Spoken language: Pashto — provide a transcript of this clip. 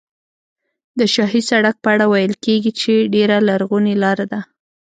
د شاهي سړک په اړه ویل کېږي چې ډېره لرغونې لاره ده.